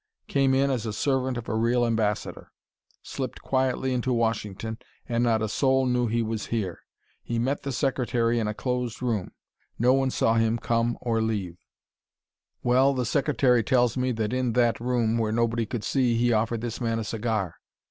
Came in as a servant of a real ambassador. Slipped quietly into Washington, and not a soul knew he was here. He met the Secretary in a closed room; no one saw him come or leave "; "Well, the Secretary tells me that in that room where nobody could see he offered this man a cigar.